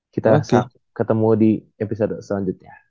kita ketemu di episode selanjutnya